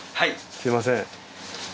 すみません。